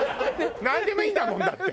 なんでもいいんだもんだって。